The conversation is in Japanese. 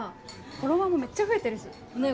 フォロワーもめっちゃ増えてるしねえ